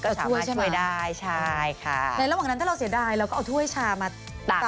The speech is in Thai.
ก็สามารถช่วยได้ใช่ค่ะในระหว่างนั้นถ้าเราเสียดายเราก็เอาถ้วยชามาตาก